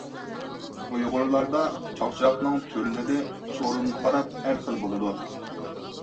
ئۇيغۇرلاردا چاقچاقنىڭ تۈرلىرى سورۇنغا قاراپ ھەر خىل بولىدۇ.